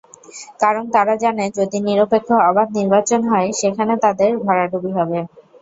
কারণ তারা জানে, যদি নিরপেক্ষ, অবাধ নির্বাচন হয়, সেখানে তাদের ভরাডুবি হবে।